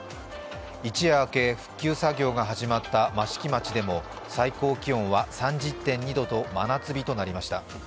一夜明け、復旧作業が始まった益城町でも最高気温は３０．２度と真夏日となりました。